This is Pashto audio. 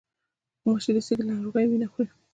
غوماشې د سږي له ناروغانو وینه خوري.